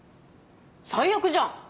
最悪じゃん！